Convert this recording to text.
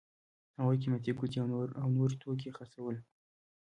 هغوی قیمتي ګوتې او نور توکي خرڅول.